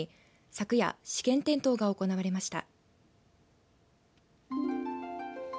昨夜、試験点灯が行われました。